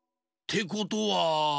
てことは。